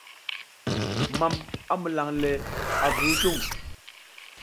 Mam a mulan le avu hutung.